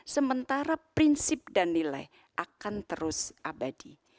sementara prinsip dan nilai akan terus abadi